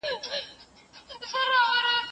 خلګ کولای سي کورونه او ځمکي واخلي.